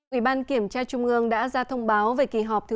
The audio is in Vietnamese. ủy ban kiểm tra trung ương đã ra thông báo về kỳ họp thứ ba mươi sáu